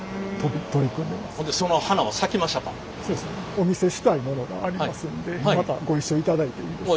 お見せしたいものがありますんでまたご一緒いただいていいですか？